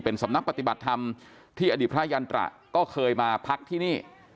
สำนักปฏิบัติธรรมที่อดีตพระยันตระก็เคยมาพักที่นี่